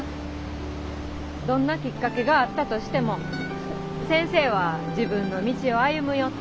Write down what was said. どんなきっかけがあったとしても先生は自分の道を歩むよって。